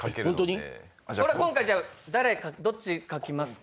今回どっち描きますか？